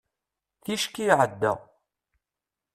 ticki iɛedda